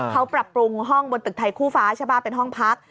เขาปรับปรุงห้องบนตึกไทยคู่ฟ้าใช่ป่ะเป็นห้องพัก